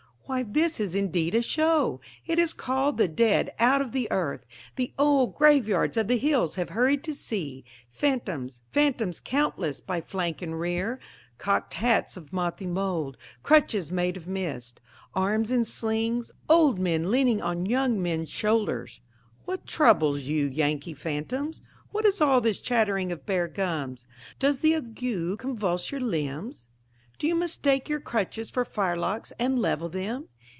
Why this is indeed a show! It has called the dead out of the earth! The old grave yards of the hills have hurried to see! Phantoms! phantoms countless by flank and rear! Cocked hats of mothy mould! crutches made of mist! Arms in slings! old men leaning on young men's shoulders! What troubles you, Yankee phantoms? What is all this chattering of bare gums? Does the ague convulse your limbs? Do you mistake your crutches for fire locks, and level them?